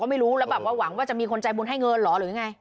ไม่รู้แล้วแบบว่าหวังว่าจะมีคนใจบุญให้เงินเหรอหรือยังไง